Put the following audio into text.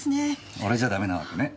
俺じゃダメなわけねハハ。